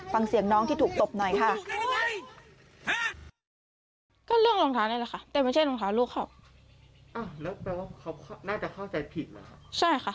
ฟังเสียงน้องที่ถูกตบหน่อยค่ะ